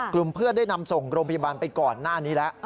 กลุ่มเพื่อนได้นำส่งโรงพยาบาลไปก่อนหน้านี้แล้ว